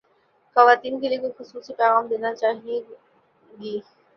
خواتین کے لئے کوئی خصوصی پیغام دینا چاہیے گی